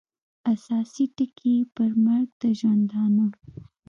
اساسي ټکي یې پر مرګ د ژوندانه